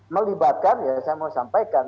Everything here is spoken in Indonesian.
melibatkan ya saya mau sampaikan